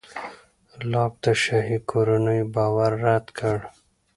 لاک د شاهي کورنیو باور رد کړ.